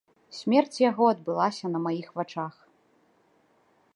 Смерць яго адбылася на маіх вачах.